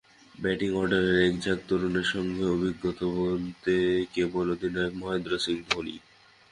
Batting অর্ডারে একঝাঁক তরুণের সঙ্গে অভিজ্ঞ বলতে কেবল অধিনায়ক মহেন্দ্র সিং ধোনি।